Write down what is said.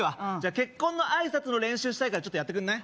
結婚の挨拶の練習したいからちょっとやってくんない？